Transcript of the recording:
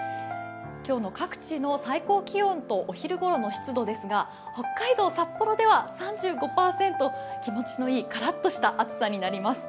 今日の各地の最高気温とお昼ごろの湿度ですが、北海道・札幌では３５％気持ちのいいカラッとした暑さになります。